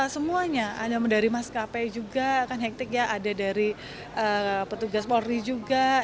semuanya ada dari mas capek juga ada dari petugas polri juga